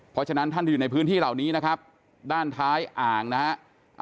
เพราะฉะนั้นท่านที่อยู่ในพื้นที่เหล่านี้นะครับด้านท้ายอ่างนะฮะ